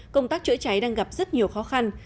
công tác chữa cháy đang gặp rất nhiều khó khăn